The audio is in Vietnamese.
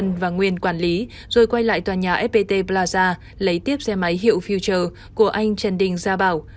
nhân và nguyên quản lý rồi quay lại tòa nhà fpt plaza lấy tiếp xe máy hiệu future của anh trần đình gia bảo